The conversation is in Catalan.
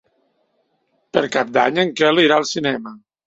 Per Cap d'Any en Quel irà al cinema.